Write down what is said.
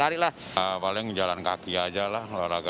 berolahraga di usia senja